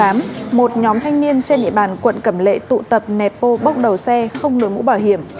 một nhóm thanh niên trên địa bàn quận cầm lệ tụ tập nẹp ô bốc đầu xe không nối mũ bảo hiểm